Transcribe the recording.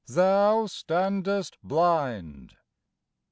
thou standest blind!